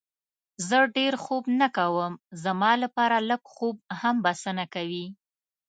زه ډېر خوب نه کوم، زما لپاره لږ خوب هم بسنه کوي.